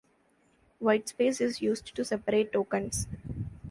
Whitespace is used to separate tokens.